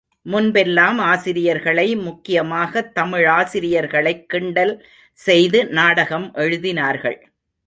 முன்பெல்லாம் ஆசிரியர்களை முக்கியமாகத் தமிழாசிரியர்களைக் கிண்டல் செய்து நாடகம் எழுதினார்கள்.